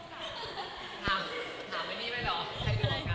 ขอบคุณค่ะเป็นยังไงสันตันนะ